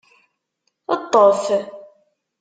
Ṭṭef!